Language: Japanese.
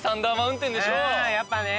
やっぱね。